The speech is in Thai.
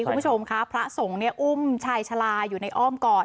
คุณผู้ชมค่ะพระสงฆ์เนี่ยอุ้มชายชาลาอยู่ในอ้อมก่อน